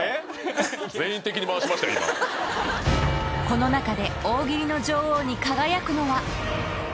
［この中で大喜利の女王に輝くのは］